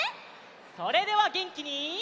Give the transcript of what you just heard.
それではげんきに。